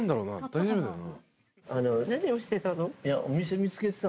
大丈夫だよな？